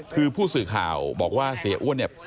คือผู้สื่อข่าวบอกว่าเสียอ้วนเนี่ย